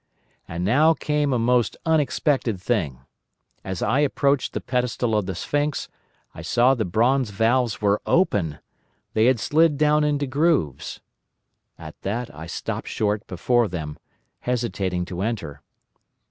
"And now came a most unexpected thing. As I approached the pedestal of the sphinx I found the bronze valves were open. They had slid down into grooves. "At that I stopped short before them, hesitating to enter.